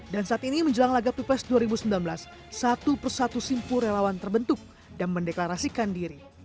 saat ini menjelang laga pilpres dua ribu sembilan belas satu persatu simpul relawan terbentuk dan mendeklarasikan diri